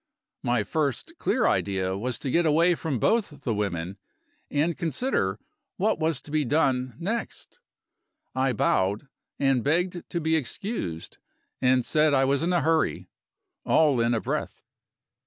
My first clear idea was to get away from both the women, and consider what was to be done next. I bowed and begged to be excused and said I was in a hurry, all in a breath.